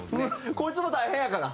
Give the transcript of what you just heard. こいつも大変やから。